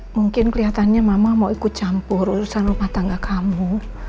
mungkin kelihatannya mama mau ikut campur urusan rumah tangga kamu